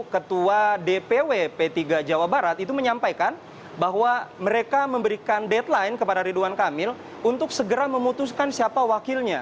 ketua dpw p tiga jawa barat itu menyampaikan bahwa mereka memberikan deadline kepada ridwan kamil untuk segera memutuskan siapa wakilnya